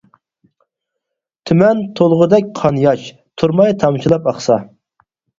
تۈمەن تولغۇدەك قان ياش، تۇرماي تامچىلاپ ئاقسا.